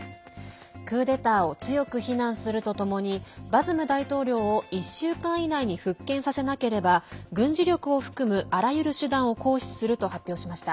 クーデターを強く非難するとともにバズム大統領を１週間以内に復権させなければ軍事力を含む、あらゆる手段を行使すると発表しました。